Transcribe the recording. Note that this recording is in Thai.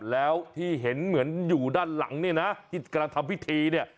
แล้วที่เห็นเหมือนอยู่ด้านหลังเนี่ยนะที่กำลังทำพิธีเนี่ย